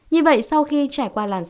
như vậy sau khi trải qua lãnh đạo